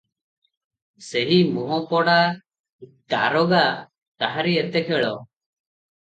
ସେହି ମୁହଁପୋଡ଼ା ଦାରୋଗା; ତାହାରି ଏତେ ଖେଳ ।